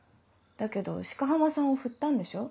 だけど鹿浜さんをフッたんでしょ？